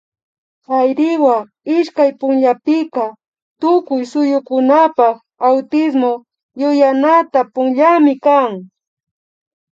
Ayriwa ishkay punllapika tukuy suyukunapak Autismo yuyanata punllami kan